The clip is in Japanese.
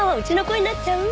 えっ？なっちゃう？